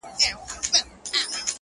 سایه یې نسته او دی روان دی ـ